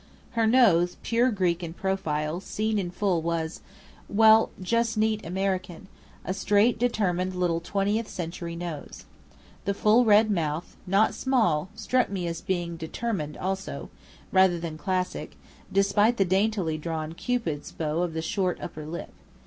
Her nose, pure Greek in profile, seen in full was well, just neat American: a straight, determined little twentieth century nose. The full red mouth, not small, struck me as being determined also, rather than classic, despite the daintily drawn cupid's bow of the short upper lip.